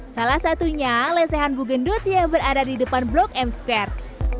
salah satunya lesehan bugendut yang berada di depan blok m square